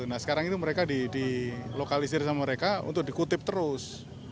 nah sekarang itu mereka dilokalisir sama mereka untuk dikutip terus